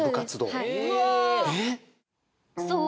そう。